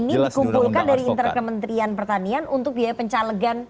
ini dikumpulkan dari interkementrian pertanian untuk biaya pencalegan